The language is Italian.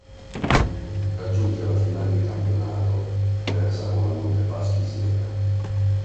Raggiunge la finale di campionato, persa con la Montepaschi Siena.